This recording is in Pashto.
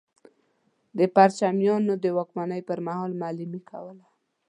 د پرچمیانو د واکمنۍ پر مهال معلمي کوله.